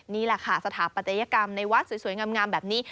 นี่แหละค่ะสถาปัตยกรรมในวัดสวยงามแบบนี้